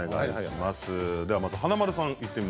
まず華丸さん